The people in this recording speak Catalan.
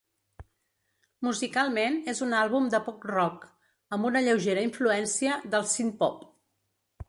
Musicalment, és un àlbum de pop rock amb una lleugera influència del "synthpop".